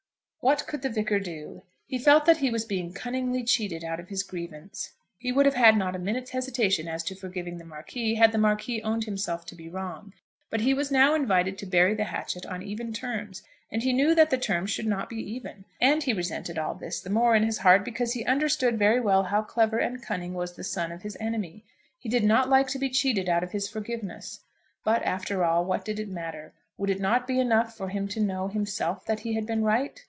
What could the Vicar do? He felt that he was being cunningly cheated out of his grievance. He would have had not a minute's hesitation as to forgiving the Marquis, had the Marquis owned himself to be wrong. But he was now invited to bury the hatchet on even terms, and he knew that the terms should not be even. And he resented all this the more in his heart because he understood very well how clever and cunning was the son of his enemy. He did not like to be cheated out of his forgiveness. But after all, what did it matter? Would it not be enough for him to know, himself, that he had been right?